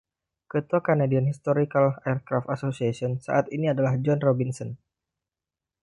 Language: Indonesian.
Ketua Canadian Historical Aircraft Association saat ini adalah John Robinson.